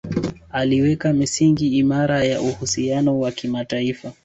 Aliweka misingi imara ya uhusiano wa kimataifa